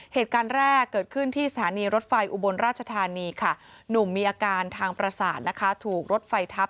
เหตุการณ์แรกเกิดขึ้นที่สถานีรถไฟอุบลราชธานีค่ะหนุ่มมีอาการทางประสาทนะคะถูกรถไฟทับ